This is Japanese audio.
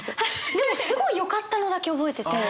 でもすごいよかったのだけ覚えてて。